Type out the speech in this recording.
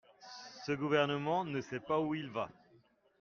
Ce gouvernement ne sait pas où il va.